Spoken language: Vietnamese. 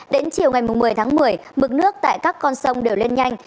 đến chiều ngày một mươi tháng một mươi mực nước tại các con sông đều lên nhanh